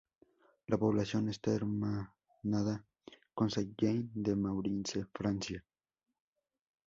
La población está hermanada con Saint-Jean-de-Maurienne, Francia.